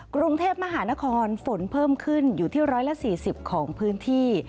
กรุงเทพมหานครฝนเพิ่มขึ้นอยู่ที่๑๔๐ของพื้นที่